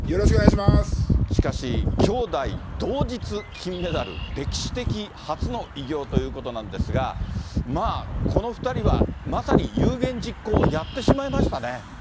しかし、兄妹同日金メダル、歴史的初の偉業ということなんですが、まあ、この２人はまさに有言実行をやってしまいましたね。